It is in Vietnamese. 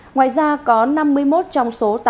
ngoài ra có năm mươi một trong số tổng công suất